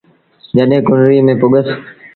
جڏهيݩ ڪنريٚ ميݩ پُڳس ۔